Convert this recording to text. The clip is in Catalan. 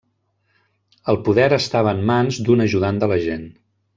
El poder estava en mans d'un ajudant de l'agent.